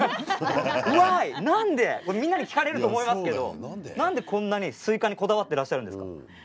みんなに聞かれると思いますけれどもなんで、こんなにスイカにこだわっていらっしゃるんですか。